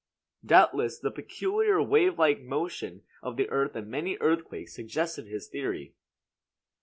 Doubtless the peculiar wave like motion of the earth in many earthquakes suggested his theory.